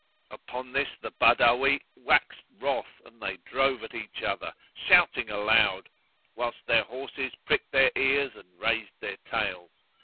Upon this the Badawi waxed wroth and they drove at each other, shouting aloud, whilst their horses pricked their ears and raised their tails.